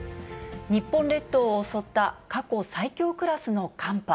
日本列島を襲った過去最強クラスの寒波。